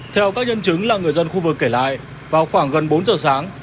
theo các nhân chứng là người dân khu vực kể lại vào khoảng gần bốn giờ sáng